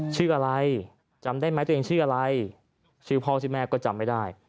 ชื่ออะไรจำได้ไหมตัวเองชื่ออะไรชื่อพ่อชื่อแม่ก็จำไม่ได้